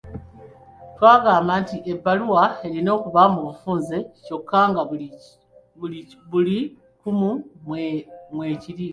Twagamba nti ebbaluwa erina okuba mu bufunze kyokka nga buli kumu mwe kiri.